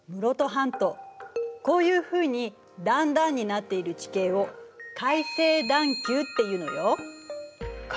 こういうふうに段々になっている地形を海成段丘。